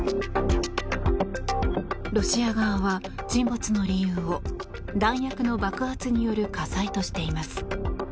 ロシア側は、沈没の理由を弾薬の爆発による火災としています。